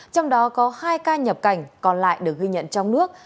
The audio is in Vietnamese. trong đó có hai ca nhập cảnh còn lại được ghi nhận trong nước